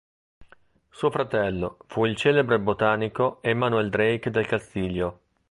Suo fratello fu il celebre botanico Emmanuel Drake del Castillo.